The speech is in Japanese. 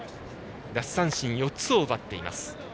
奪三振４つを奪っています。